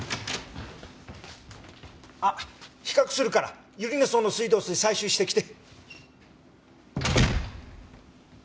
あっ比較するから百合根荘の水道水採取してきて。